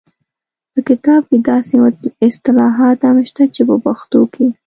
په کتاب کې داسې اصطلاحات هم شته چې په پښتو کې